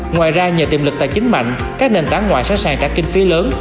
ngoài ra nhờ tiềm lực tài chính mạnh các nền tảng ngoại sẵn sàng trả kinh phí lớn